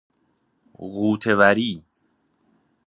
غوطه وری